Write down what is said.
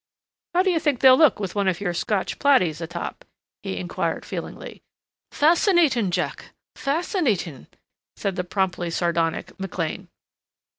How do you think they'll look with one of your Scotch plaidies atop?" he inquired feelingly. "Fascinating, Jack, fascinating," said the promptly sardonic McLean.